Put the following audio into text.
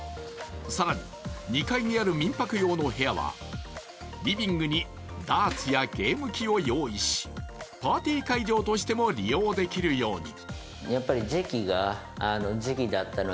更に２階にある民泊用の部屋はリビングにダーツやゲーム機を用意し、パーティー会場としても利用できるように。